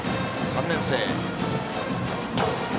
３年生。